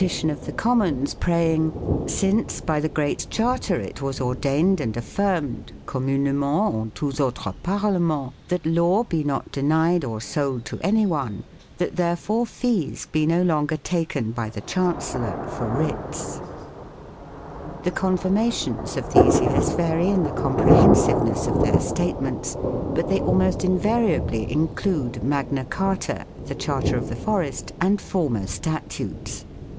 The regularity of the practice was recognized in 1381 in a petition of the Commons praying, " since by the Great Charter it was ordained and affirmed "communement entouzautresParlementz" that law be not denied or sold to anyone, that there fore fees be no longer taken by the Chancellor for writs. 1 The confirmations of these years vary in the com prehensiveness of their statements, but they almost invariably include Magna Carta, the Charter of the Forest, and former statutes.